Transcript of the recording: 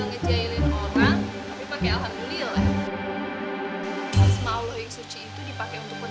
semua allah yang suci itu dipake untuk perbuatan kecil ya